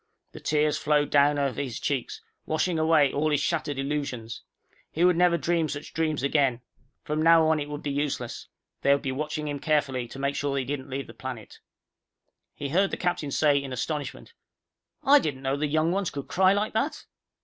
The tears flowed down over his cheeks, washing away all his shattered illusions. He would never dream such dreams again. From now on, it would be useless. They would be watching him carefully to make sure that he didn't leave the planet. He heard the captain say in astonishment, "I didn't know these young ones could cry like that."